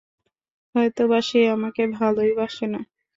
হয়তোবা সে আমাকে ভালোই বাসে না।